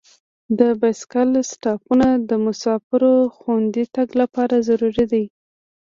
د بایسکل سټاپونه د مسافرو خوندي تګ لپاره ضروري دي.